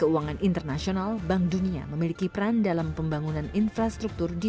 jangan tinggalkannya untuk pekerja yang tidak berpengaruh